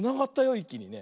いっきにね。